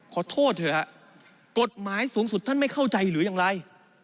ขอโทษเถอะฮะกฎหมายสูงสุดท่านไม่เข้าใจหรือยังไร